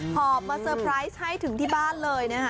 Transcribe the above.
อบมาเตอร์ไพรส์ให้ถึงที่บ้านเลยนะคะ